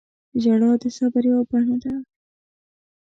• ژړا د صبر یوه بڼه ده.